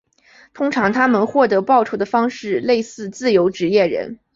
通常他们获得报酬的方式类似自由职业人。